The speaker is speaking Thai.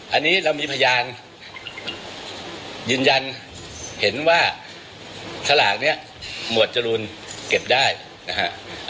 อันนี้เรามีพยานยืนยันเห็นว่าสลากนี้หมวดจรูนเก็บได้นะฮะ